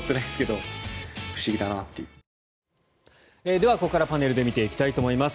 ではここからパネルで見ていきたいと思います。